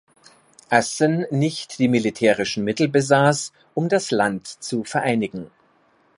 Assen nicht die militärischen Mittel besaß, um das Land zu vereinigen.